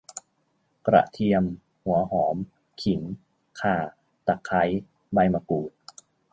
กระเทียม หัวหอม ขิง ข่า ตะไคร้ ใบมะกรูด